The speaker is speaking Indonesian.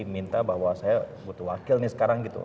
minta bahwa saya butuh wakil nih sekarang gitu